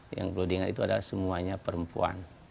yang perlu diingat itu adalah semuanya perempuan